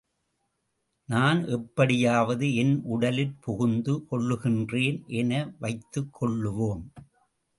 நான் எப்படியாவது என் உடலிற் புகுந்து கொள்ளுகின்றேன் என வைத்துக் கொள்ளுவோம்.